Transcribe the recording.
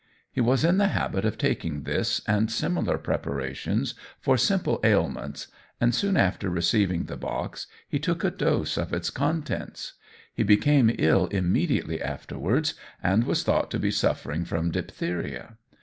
He was in the habit of taking this and similar preparations for simple ailments, and soon after receiving the box he took a dose of its contents. He became ill immediately afterwards, and was thought to be suffering from diphtheria.